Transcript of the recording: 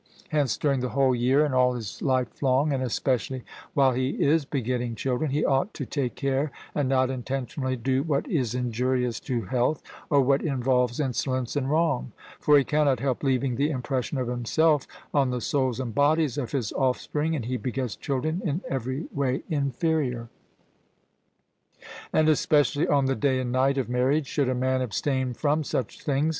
Hence during the whole year and all his life long, and especially while he is begetting children, he ought to take care and not intentionally do what is injurious to health, or what involves insolence and wrong; for he cannot help leaving the impression of himself on the souls and bodies of his offspring, and he begets children in every way inferior. And especially on the day and night of marriage should a man abstain from such things.